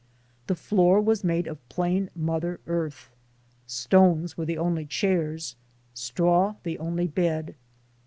The floor was made of plain Mother Earth; stones were the only chairs, straw the only bed.